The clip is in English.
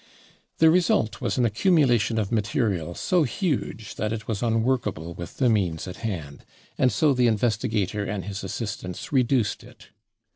The result was an accumulation of material so huge that it was unworkable with the means at hand, and so the investigator and his assistants reduced it.